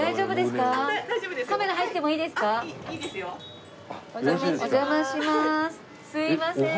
すいません。